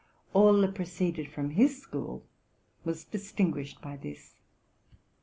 All that proceeded from his school was distinguished by this.